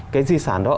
cái di sản đó